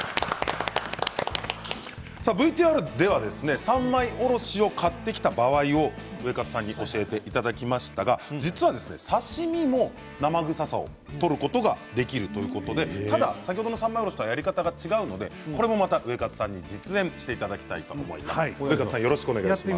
ＶＴＲでは三枚おろしを買ってきた場合をウエカツさんに教えていただきましたが実は刺身も生臭さを取ることができるということでただ先ほどの三枚おろしとやり方が違うので、これもウエカツさんに実演していただきたいと思います。